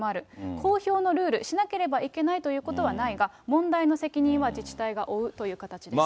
公表のルール、しなければいけないということはないが、問題の責任は自治体が負うという形です。